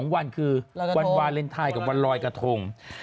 ๒วันคือวันวาเลนไทยกับวันลอยกระทง